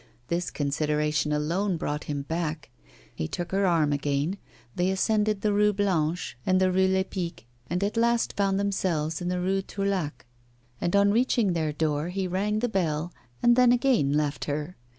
This consideration alone brought him back. He took her arm again; they ascended the Rue Blanche and the Rue Lepic, and at last found themselves in the Rue Tourlaque. And on reaching their door, he rang the bell, and then again left her.